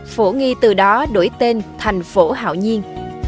phổ nghi từ đó đổi tên thành phổ hạo nhiên